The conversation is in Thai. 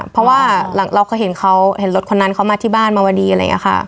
เพราะว่าเราเคยเห็นเขาเห็นรถคนนั้นเขามาที่บ้านมาวดีอะไรอย่างนี้ค่ะ